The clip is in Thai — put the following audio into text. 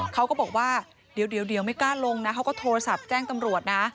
เขาก็บอกว่าเดี๋ยวไม่กล้าลงนะเขาก็โทรศัพท์แจ้งตำรวจนะ